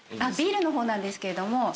ビールの方なんですけれども。